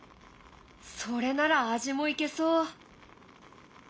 それなら味もいけそう。